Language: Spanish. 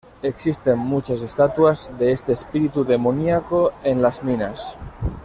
Existen muchas estatuas de este espíritu demoníaco en las minas.